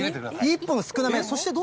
１分少なめ。